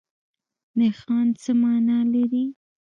نښان څه مانا لري؟